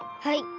はい。